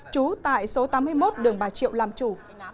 trú tại số tám mươi một đường bà triệu làm chủ